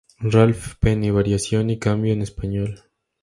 Ralph Penny, Variación y cambio en español.